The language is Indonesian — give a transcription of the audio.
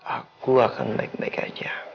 aku akan baik baik aja